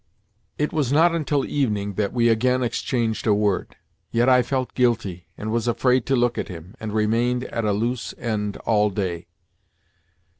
It was not until evening that we again exchanged a word. Yet I felt guilty, and was afraid to look at him, and remained at a loose end all day.